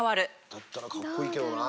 だったらかっこいいけどな。